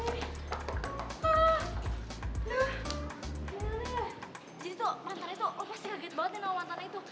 jadi tuh mantannya tuh lo pasti kaget banget nih sama mantannya itu